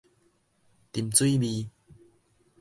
沉水沬